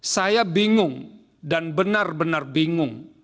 saya bingung dan benar benar bingung